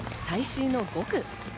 最終の５区。